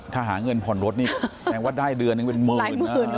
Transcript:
ถ้าหาเงินผ่อนรถนี่แสดงว่าได้เดือนหนึ่งเป็นหมื่น